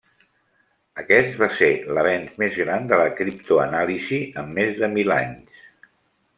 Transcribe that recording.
Aquest va ser l'avenç més gran de la criptoanàlisi en més de mil anys.